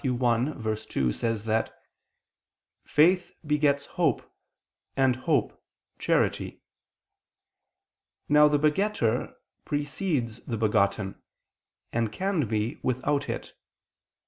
1:2 says that "faith begets hope, and hope, charity." Now the begetter precedes the begotten, and can be without it.